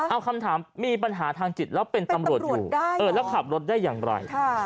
เอาคำถามมีปัญหาทางจิตแล้วเป็นตำรวจอยู่แล้วขับรถได้อย่างไร